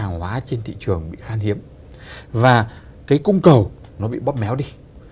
hàng hóa trên thị trường bị khan hiếm và cái cung cầu nó bị bóp méo đi